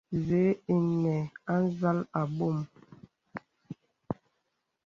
Zɛ̂ ìnə̀ à zàl àbɔ̄m.